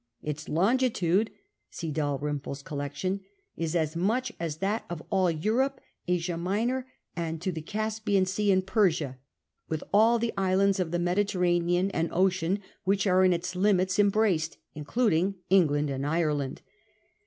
"Its longitude" — see Dah'}Tnplc's Collection — "is as much as that of all Europe, Asia Minor, and to the Caspian Sea and Persia, with all the islands of the Mediterranean and Ocean whi<jh are in its limits embraced, including England and Ireland.